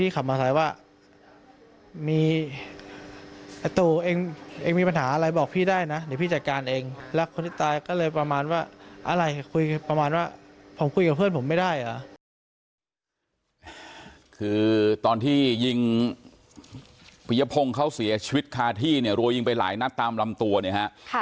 คือตอนที่ยิงปิ้ยะพรงเขาเสียชีวิตคาที่หรือยิงไปหลายนับตามลำตัวเนี่ยคระ